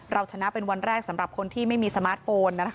เราชนะเป็นวันแรกสำหรับคนที่ไม่มีสมาร์ทโฟน